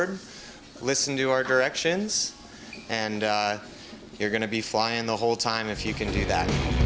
dan kamu akan berjalan selama sepanjang waktu jika kamu bisa melakukannya